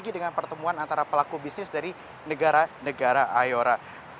dan pertemuan antara pelaku bisnis dari negara negara ayora